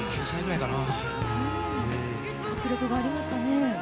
迫力がありましたね。